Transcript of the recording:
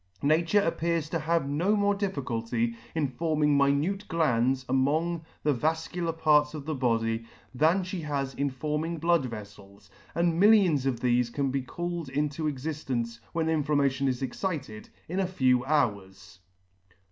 Nature appears to have no more difficulty in forming minute glands among the vafcular parts of the body, than fhe has in forming blood veffels, and millions of thefe can be called into exidence, when indammation is excited, in a few hours*.